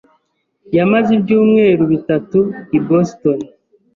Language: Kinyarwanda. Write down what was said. yamaze ibyumweru bitatu i Boston.